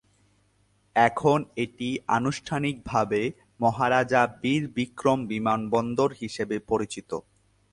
এখন এটি আনুষ্ঠানিকভাবে মহারাজা বীর বিক্রম বিমানবন্দর হিসাবে পরিচিত।